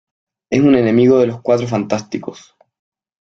Es un enemigo de los Cuatro Fantásticos.